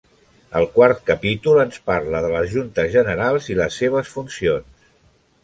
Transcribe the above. El quart capítol ens parla de les juntes generals i les seves funcions.